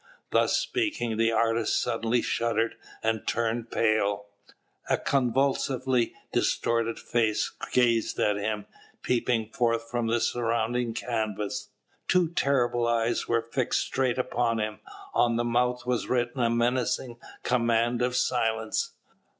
Thus speaking, the artist suddenly shuddered, and turned pale. A convulsively distorted face gazed at him, peeping forth from the surrounding canvas; two terrible eyes were fixed straight upon him; on the mouth was written a menacing command of silence.